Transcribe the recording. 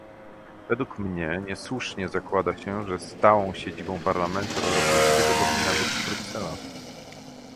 Według mnie niesłusznie zakłada się, że stałą siedzibą Parlamentu Europejskiego powinna być Bruksela